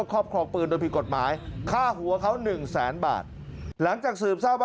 ตอนนี้ก็ยิ่งแล้ว